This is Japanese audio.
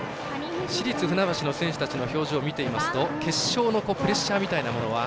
市立船橋の選手たちの表情を見ていますと決勝のプレッシャーみたいなものは？